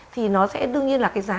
thì nó sẽ đương nhiên là cái giá